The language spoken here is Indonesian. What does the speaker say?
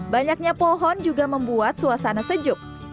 banyaknya pohon juga membuat suasana sejuk